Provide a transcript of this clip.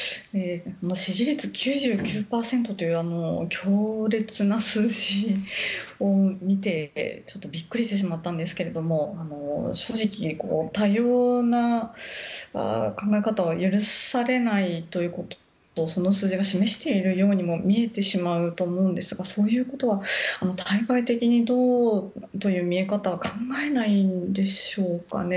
支持率が９９％という強烈な数字を見てちょっとビックリしてしまったんですけれども正直、多様な考え方は許されないということをその数字が示しているようにも見えてしまうと思うんですがそういうことは対外的にどうという見え方は考えないんでしょうかね。